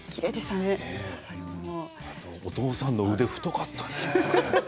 お父さんの腕太かったね。